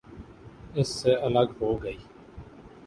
اس سے الگ ہو گئی۔